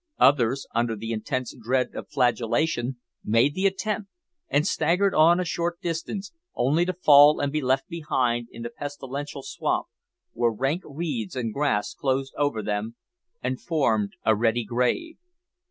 Others, under the intense dread of flagellation, made the attempt, and staggered on a short distance, only to fall and be left behind in the pestilential swamp, where rank reeds and grass closed over them and formed a ready grave.